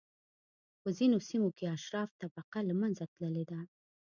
په ځینو سیمو کې اشراف طبقه له منځه تللې ده.